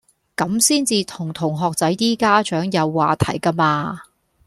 咁先至同同學仔啲家長有話題㗎嘛